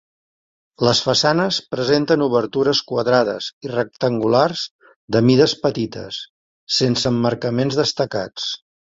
Les façanes presenten obertures quadrades i rectangulars de mides petites, sense emmarcaments destacats.